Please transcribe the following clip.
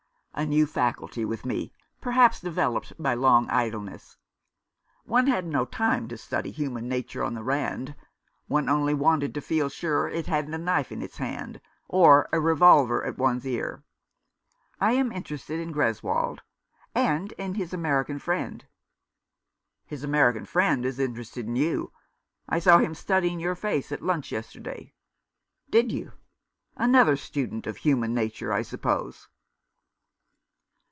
"A new faculty with me, perhaps developed by long idleness. One had no time to study human nature on the Rand ; one only wanted to feel sure it hadn't a knife in its hand, or a revolver at one's ear. I am interested in Greswold, and in his American friend." " His American friend is interested in you. I saw him studying your face at lunch yesterday." " Did you ? Another student of human nature, I suppose."